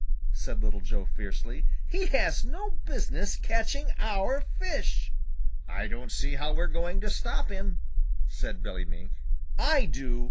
said Little Joe fiercely. "He has no business catching our fish!" "I don't see how we are going to stop him," said Billy Mink. "I do!"